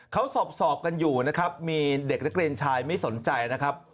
เขาสอบกันอยู่นะครับมีเด็กนักเรียนชายไม่สนใจนะครับ